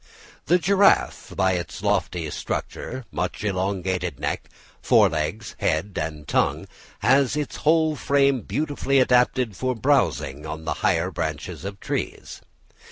The giraffe, by its lofty stature, much elongated neck, fore legs, head and tongue, has its whole frame beautifully adapted for browsing on the higher branches of trees.